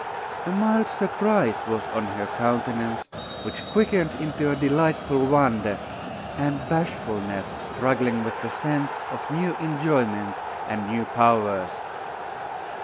A mild surprise was on her countenance, which quickened into delightful wonder, and bashfulness struggling with the sense of new enjoyment and new powers.